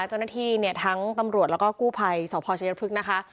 เจ้าหน้าที่เนี่ยทั้งตำรวจแล้วก็กู้ภัยสพชัยพฤกษ์นะคะ